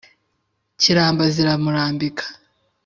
kiramba ziramurambika.